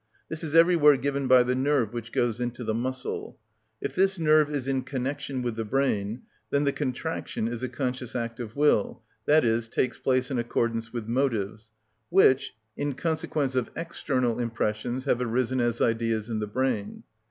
This is everywhere given by the nerve which goes into the muscle. If this nerve is in connection with the brain, then the contraction is a conscious act of will, i.e., takes place in accordance with motives, which, in consequence of external impressions, have arisen as ideas in the brain.